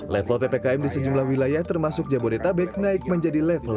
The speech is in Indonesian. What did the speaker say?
level ppkm di sejumlah wilayah termasuk jabodetabek naik menjadi level satu